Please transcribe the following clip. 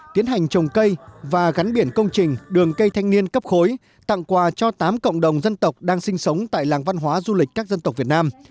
tiến hành trồng cây và gắn biển công trình đường cây thanh niên cấp khối tặng quà cho tám cộng đồng dân tộc đang sinh sống tại làng văn hóa du lịch các dân tộc việt nam